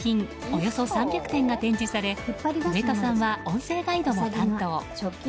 およそ３００点が展示され上戸さんは音声ガイドも担当。